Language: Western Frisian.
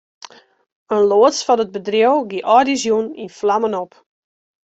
In loads fan it bedriuw gie âldjiersjûn yn flammen op.